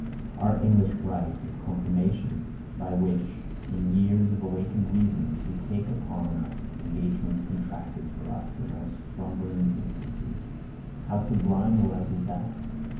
Our English rite of "Confirmation," by which, in years of awakened reason, we take upon us the engagements contracted for us in our slumbering infancy, how sublime a rite is that!